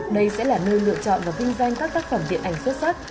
đây sẽ là nơi lựa chọn và vinh danh các tác phẩm điện ảnh xuất sắc